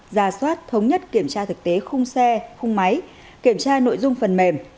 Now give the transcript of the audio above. ra soát thống nhất kiểm tra thực tế khung xe khung máy kiểm tra nội dung phần mềm